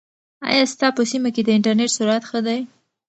ایا ستا په سیمه کې د انټرنیټ سرعت ښه دی؟